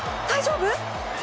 大丈夫？